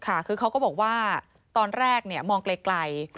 ค่ะคือเขาก็บอกว่าตอนแรกมองไกล